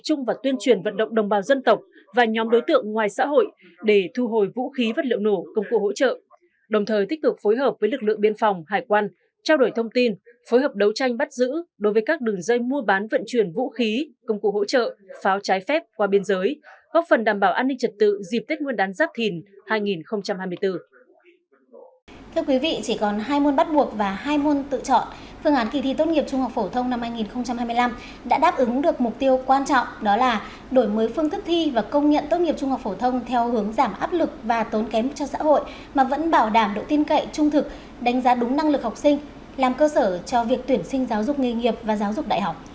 thưa quý vị chỉ còn hai môn bắt buộc và hai môn tự chọn phương án kỳ thi tốt nghiệp trung học phổ thông năm hai nghìn hai mươi năm đã đáp ứng được mục tiêu quan trọng đó là đổi mới phương thức thi và công nhận tốt nghiệp trung học phổ thông theo hướng giảm áp lực và tốn kém cho xã hội mà vẫn bảo đảm độ tin cậy trung thực đánh giá đúng năng lực học sinh làm cơ sở cho việc tuyển sinh giáo dục nghề nghiệp và giáo dục đại học